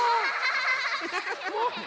ハハハ！